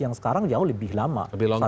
yang sekarang jauh lebih lama